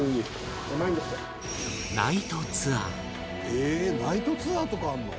「えっナイトツアーとかあるの？」